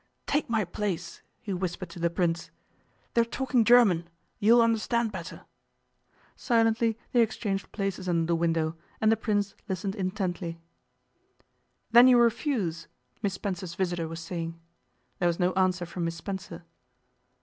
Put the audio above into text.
'Take my place,' he whispered to the Prince, 'they're talking German. You'll understand better.' Silently they exchanged places under the window, and the Prince listened intently. 'Then you refuse?' Miss Spencer's visitor was saying. There was no answer from Miss Spencer.